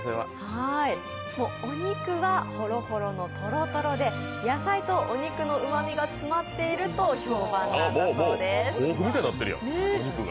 お肉がほろほろのとろとろで野菜とお肉のうまみが詰まっていると評判なんだそうです。